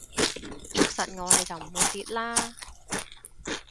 捉實我你就唔會跌啦